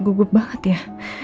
gugup banget ya